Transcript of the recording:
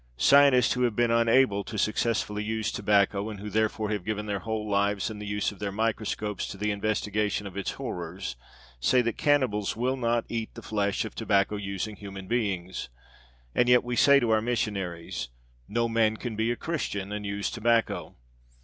Scientists, who have been unable to successfully use tobacco and who therefore have given their whole lives and the use of their microscopes to the investigation of its horrors, say that cannibals will not eat the flesh of tobacco using human beings. And yet we say to our missionaries: "No man can be a Christian and use tobacco."